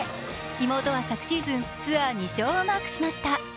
妹は昨シーズンツアー２勝をマークしました。